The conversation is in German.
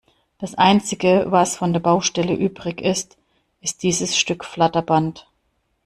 Das einzige, was von der Baustelle übrig ist, ist dieses Stück Flatterband.